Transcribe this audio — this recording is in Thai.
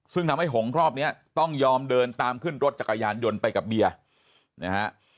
ซึ่งทำให้หงรอบนี้ต้องยอมเดินตามขึ้นรถจักรยานยนต์ไปกับเบียร์นะฮะ